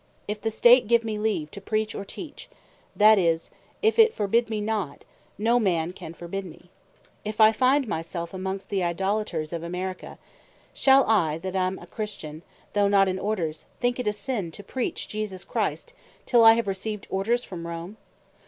If the State give me leave to preach, or teach; that is, if it forbid me not, no man can forbid me. If I find my selfe amongst the Idolaters of America, shall I that am a Christian, though not in Orders, think it a sin to preach Jesus Christ, till I have received Orders from Rome?